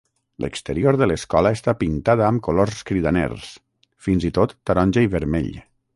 L'exterior de l'escola està pintada amb colors cridaners, fins i tot taronja i vermell.